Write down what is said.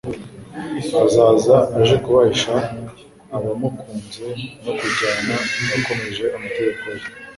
Azaza aje kubahisha abamukunze no kujyana abakomeje amategeko ye.